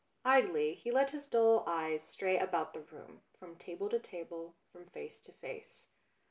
Idly he let his dull eyes stray about the room, from table to table, from face to face.